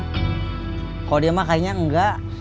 kalau dia mah kayaknya enggak